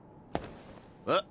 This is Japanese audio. えっ？